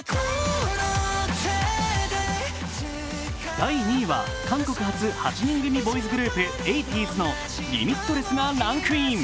第２位は韓国発８人組ボーイズグループＡＴＥＥＺの「Ｌｉｍｉｔｌｅｓｓ」がランクイン。